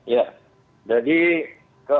ya jadi ke